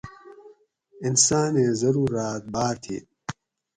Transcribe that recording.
انسانیں ضروراۤت باۤر تھی